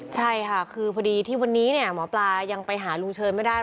ใช่ค่ะคือพอดีที่วันนี้หมอปลายังไปหาลุงเชิญไม่ได้